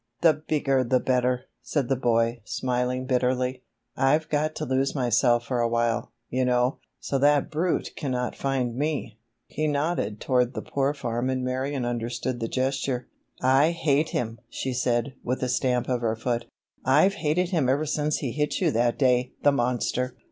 "The bigger the better," said the boy, smiling bitterly. "I've got to lose myself for awhile, you know, so that brute cannot find me." He nodded toward the Poor Farm and Marion understood the gesture. "I hate him!" she said, with a stamp of her foot. "I've hated him ever since he hit you that day, the monster!"